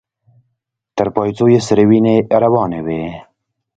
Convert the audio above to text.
تر پايڅو يې سرې وينې روانې وې.